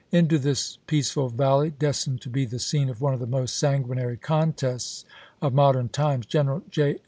Into this peaceful valley, destined to be the scene of one of the most sanguinary contests of modern times. General J.